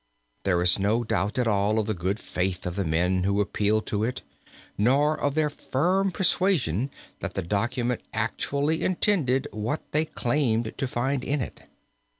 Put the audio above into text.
There is no doubt at all of the good faith of the men who appealed to it, nor of their firm persuasion that the document actually intended what they claimed to find in it.